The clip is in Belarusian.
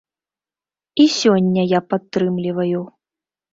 І сёння я падтрымліваю.